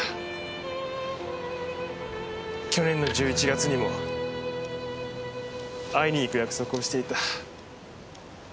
去年の１１月にも会いに行く約束をしていた。